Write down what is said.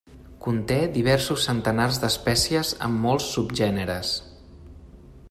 Conté diversos centenars d'espècies en molts subgèneres.